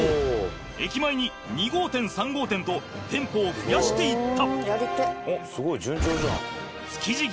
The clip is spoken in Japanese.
駅前に２号店３号店と店舗を増やしていった。